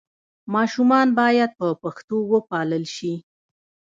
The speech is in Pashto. ماشومان باید په پښتو وپالل سي.